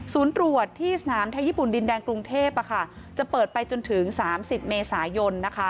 ตรวจที่สนามไทยญี่ปุ่นดินแดงกรุงเทพจะเปิดไปจนถึง๓๐เมษายนนะคะ